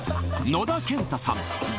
野田建太さん